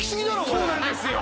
そうなんですよ